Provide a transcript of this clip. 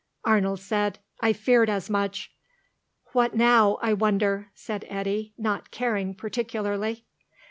Arnold said, "I feared as much." "What now, I wonder?" said Eddy, not caring particularly.